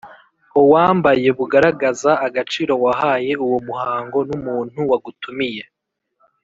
owambayebugaragaza agaciro wahaye uwo muhango n‘umuntu wagutumiye.